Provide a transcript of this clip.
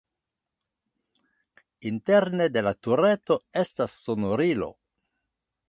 Interne de la tureto estas sonorilo.